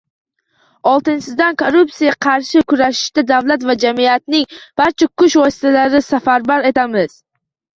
Oltinchidan, korrupsiyaga qarshi kurashishda davlat va jamiyatning barcha kuch va vositalarini safarbar etamiz.